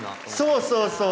そうそうそう。